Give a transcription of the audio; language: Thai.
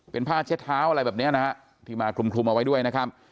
เป็นผ้าเช็ดเท้าอะไรแบบนี้นะฮะที่มาคลุมเอาไว้ด้วยนะครับ